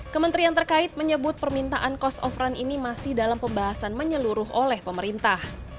kementerian terkait menyebut permintaan cost of run ini masih dalam pembahasan menyeluruh oleh pemerintah